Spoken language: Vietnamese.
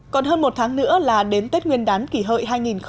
còn hơn một tháng nữa là đến tết nguyên đán kỷ hợi hai nghìn một mươi chín